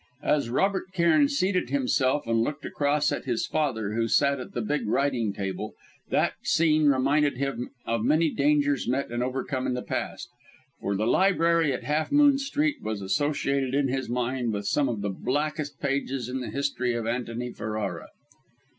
As Robert Cairn seated himself and looked across at his father, who sat at the big writing table, that scene reminded him of many dangers met and overcome in the past; for the library at Half Moon Street was associated in his mind with some of the blackest pages in the history of Antony Ferrara.